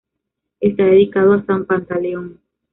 Está dedicado a San Pantaleón.